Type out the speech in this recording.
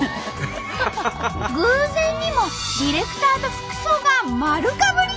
偶然にもディレクターと服装がまるかぶり！